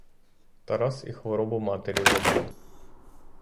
Тарас і хворобу матері забув.